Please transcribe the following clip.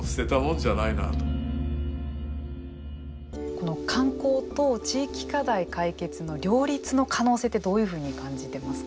この観光と地域課題解決の両立の可能性ってどういうふうに感じてますか？